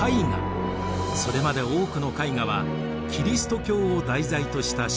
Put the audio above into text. それまで多くの絵画はキリスト教を題材とした宗教画でした。